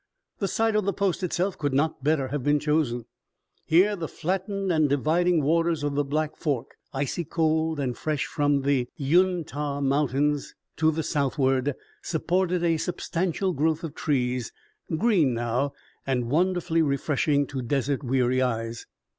The site of the post itself could not better have been chosen. Here the flattened and dividing waters of the Black's Fork, icy cold and fresh from the Uintah Mountains to the southward, supported a substantial growth of trees, green now and wonderfully refreshing to desert weary eyes.